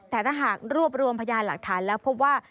แต่ถ้าหากรวบรวมพยานหลักฐานแล้วพบว่า